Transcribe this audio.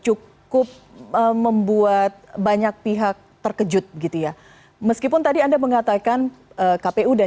cukup membuat banyak pihak terkejut gitu ya meskipun tadi anda mengatakan kpu dan